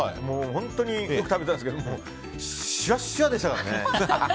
本当によく食べてたんですけどしわっしわでしたからね。